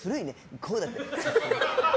こうやって。